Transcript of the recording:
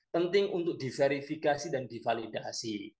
penting untuk diverifikasi dan divalidasi